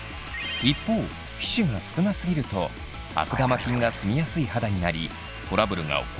一方皮脂が少なすぎると悪玉菌が住みやすい肌になりトラブルが起こりやすくなります。